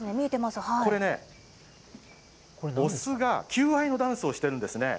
これね、雄が求愛のダンスをしてるんですね。